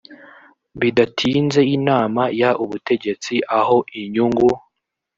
bidatinzeinama y ubutegetsi aho inyungu